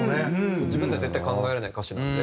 自分では絶対考えられない歌詞なので。